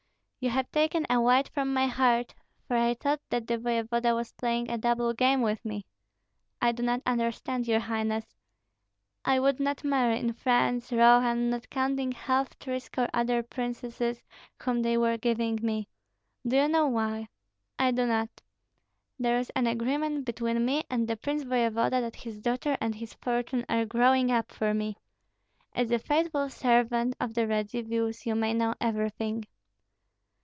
"You have taken a weight from my heart, for I thought that the voevoda was playing a double game with me." "I do not understand, your highness." "I would not marry, in France, Rohan, not counting half threescore other princesses whom they were giving me. Do you know why?" "I do not." "There is an agreement between me and the prince voevoda that his daughter and his fortune are growing up for me. As a faithful servant of the Radzivills, you may know everything."